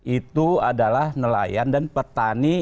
itu adalah nelayan dan petani